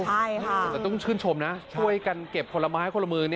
แต่ต้องชื่นชมนะช่วยกันเก็บคนละไม้คนละมือ